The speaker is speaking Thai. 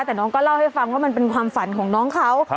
แต่น้องก็เล่าให้ฟังว่ามันเป็นความฝันของน้องเขา